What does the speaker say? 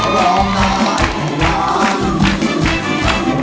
ร้องได้ให้ล้าน